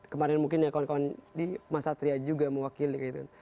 kemarin mungkin kawan kawan di masatria juga mewakili gitu